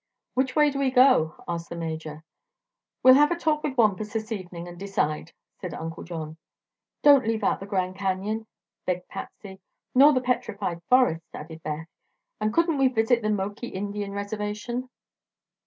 "Which way do we go?" asked the Major. "We'll have a talk with Wampus this evening and decide," said Uncle John. "Don't leave out the Grand Canyon!" begged Patsy. "Nor the Petrified Forests." added Beth. "And couldn't we visit the Moki Indian reservation?"